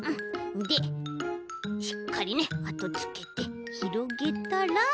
でしっかりあとつけてひろげたら。